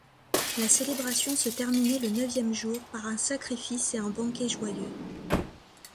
La célébration se terminait le neuvième jour par un sacrifice et un banquet joyeux.